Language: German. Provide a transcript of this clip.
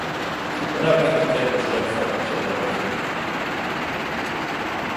Die Unabhängigkeit bestand faktisch aber nicht.